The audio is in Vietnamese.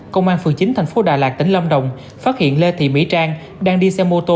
công an phường chín thành phố đà lạt tỉnh lâm đồng phát hiện lê thị mỹ trang đang đi xe mô tô